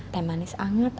teh manis anget